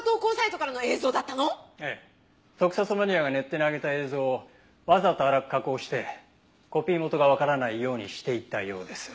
特撮マニアがネットに上げた映像をわざと粗く加工してコピー元がわからないようにしていたようです。